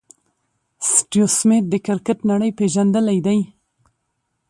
سټیو سميټ د کرکټ نړۍ پېژندلی دئ.